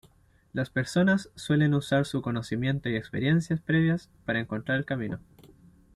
Las personas suelen usar su conocimiento y experiencias previas para encontrar el camino.